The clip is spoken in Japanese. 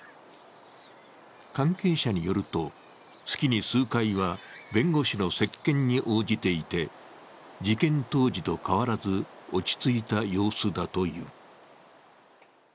関係者によると、月に数回は弁護士の接見に応じていて、事件当時と変わらず落ち着いた様子だという。